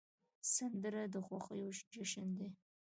سندره د خوښیو جشن دی